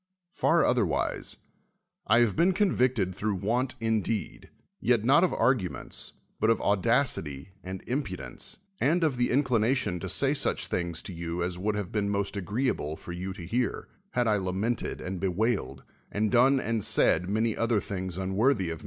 Far otlierwise: I have been convicted through wai:t indeed, yet not of arguments, but of audac ity a; id impudence, and of the inclination to say such things to you as would have been most agreeable for you to hear, had I lamented and bewailed and done and said many other things unworthy of ir.